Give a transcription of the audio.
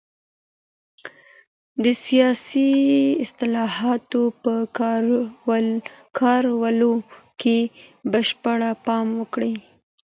د سياسي اصطلاحاتو په کارولو کي بشپړ پام وکړئ.